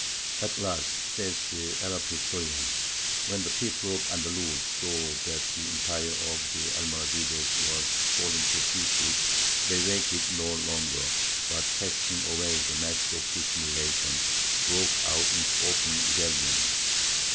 "At last," says the Arab historian, "when the people of Andalus saw that the empire of the Almoravides was falling to pieces, they waited no longer, but, casting away the mask of dissimulation, broke out into open rebellion.